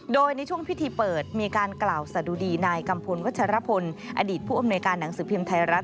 โดยในช่วงพิธีเปิดมีการกล่าวสะดุดีนายกัมพลวัชรพลอดีตผู้อำนวยการหนังสือพิมพ์ไทยรัฐ